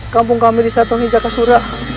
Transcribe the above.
kampung kami disatangi jaka surah